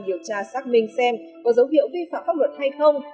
điều tra xác minh xem có dấu hiệu vi phạm pháp luật hay không